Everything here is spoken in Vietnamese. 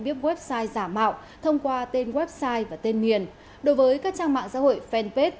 biết website giả mạo thông qua tên website và tên miền đối với các trang mạng xã hội fanpage